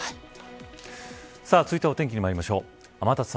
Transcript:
続いてはお天気にまいりましょう。